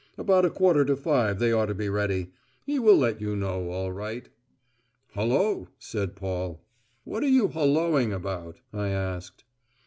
"About a quarter to five they ought to be ready. He will let you know all right." "Hullo!" said Paul. "What are you 'hulloing' about?" I asked.